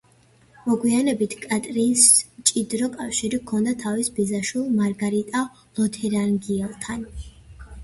მოგვიანებით კატრინს მჭიდრო კავშირი ჰქონდა თავის ბიძაშვილ მარგარიტა ლოთარინგიელთან.